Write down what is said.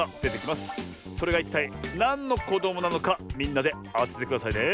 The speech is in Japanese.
それがいったいなんのこどもなのかみんなであててくださいね。